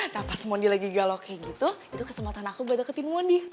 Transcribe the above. nah pas mondi lagi galau kayak gitu itu kesempatan aku buat deketin mondi